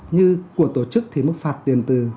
như của tổ chức thì mức phạt tiền từ